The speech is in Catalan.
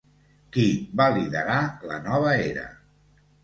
Qui va liderar la nova era?